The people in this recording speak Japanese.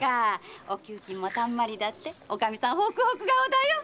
お給金もたんまりだっておかみさんもホクホク顔だよ！